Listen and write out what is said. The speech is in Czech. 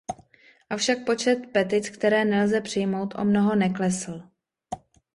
Avšak počet petic, které nelze přijmout, o mnoho neklesl.